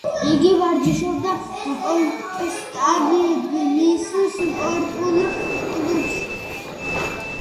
იგი ვარჯიშობდა პოტსდამის სპორტულ კლუბში.